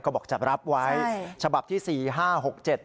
ก็บอกจะรับไว้ฉบับที่สี่ห้าหกเจ็ด